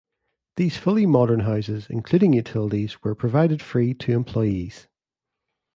These fully modern houses, including utilities, were provided free to employees.